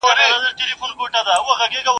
د دروازې له ښورېدو سره سړه سي خونه.